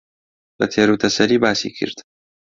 بە تێروتەسەلی باسی کرد